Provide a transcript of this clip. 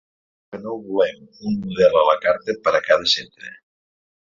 Que no volem un model a la carta per a cada centre.